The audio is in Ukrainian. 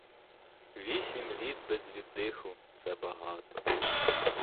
Вісім літ без віддиху — це багато.